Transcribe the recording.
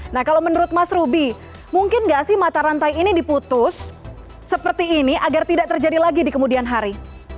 nah kalau menurut mas ruby mungkin nggak sih mata rantai ini diputus seperti ini agar tidak terjadi lagi di kemudian hari